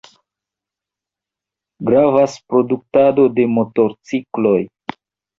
Gravas produktado de motorcikloj.